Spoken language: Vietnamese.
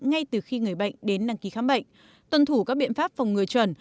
ngay từ khi người bệnh đến đăng ký khám bệnh tuân thủ các biện pháp phòng ngừa chuẩn